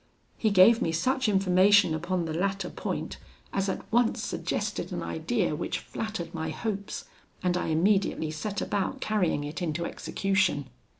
He gave me such information upon the latter point as at once suggested an idea which flattered my hopes, and I immediately set about carrying it into execution.